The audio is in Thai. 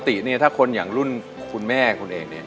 ปกติเนี่ยถ้าคนอย่างรุ่นคุณแม่คุณเองเนี่ย